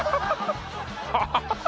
ハハハハハ！